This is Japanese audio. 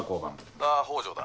あぁ北条だ。